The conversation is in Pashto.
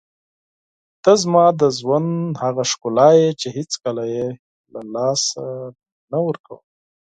ته زما د ژوند هغه ښکلا یې چې هېڅکله یې له لاسه نه ورکوم.